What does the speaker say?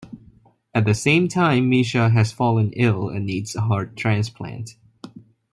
At the same time, Misha has fallen ill and needs a heart transplant.